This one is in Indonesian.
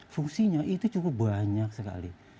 fungsinya itu cukup banyak sekali